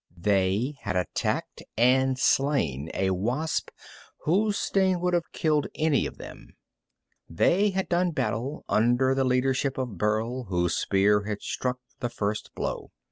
They had attacked and slain a wasp whose sting would have killed any of them. They had done battle under the leadership of Burl, whose spear had struck the first blow.